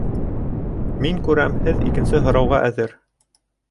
Мин күрәм, һеҙ икенсе һорауға әҙер